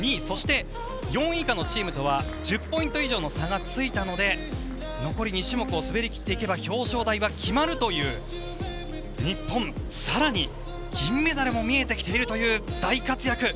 そして、４位以下のチームとは１０ポイント以上の差がついたので残り２種目を滑り切っていけば表彰台は決まるという日本、更に銀メダルも見えてきているという大活躍